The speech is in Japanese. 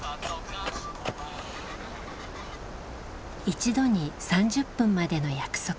一度に３０分までの約束。